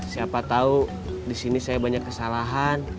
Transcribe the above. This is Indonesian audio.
siapa tau disini saya banyak kesalahan